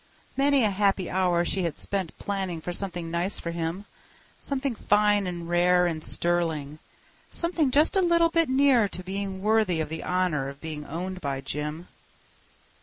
Many a happy hour she had spent planning for something nice for him. Something fine and rare and sterling—something just a little bit near to being worthy of the honor of being owned by Jim.